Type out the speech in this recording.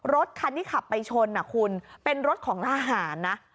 รถคันที่ขับไปชนคุณเป็นรถของทหารนะ